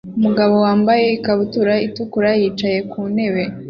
Umugabo wambaye ikabutura itukura yicaye ku ntebe